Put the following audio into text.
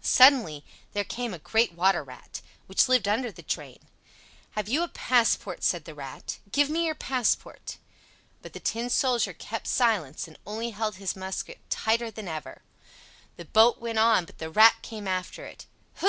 Suddenly there came a great water rat, which lived under the drain. "Have you a passport?" said the Rat. "Give me your passport." But the Tin Soldier kept silence, and only held his musket tighter than ever. The boat went on, but the Rat came after it. Hu!